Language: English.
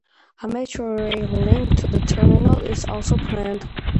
A metro rail link to the terminal is also planned.